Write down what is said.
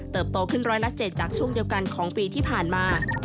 โตขึ้นร้อยละ๗จากช่วงเดียวกันของปีที่ผ่านมา